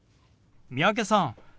三宅さん